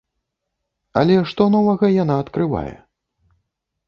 Але што новага яна адкрывае?